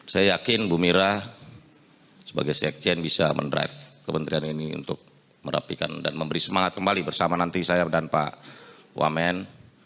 saya yakin bu mira sebagai sekjen bisa mendrive kementerian ini untuk merapikan dan memberi semangat kembali bersama nanti saya dan pak wamen